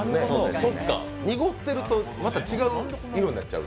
濁ってると、また違う色になっちゃう？